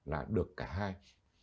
là được cả hai